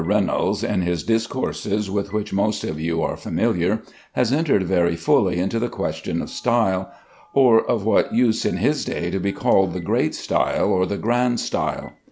Reynolds, in his discourses, with which most of you are familiar, has entered very fully into the question of style, or of what used in his day to be called the great style or the grand style.